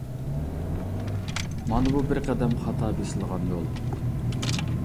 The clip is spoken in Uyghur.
مانا بۇ-بىر قەدەم خاتا بېسىلغان يول.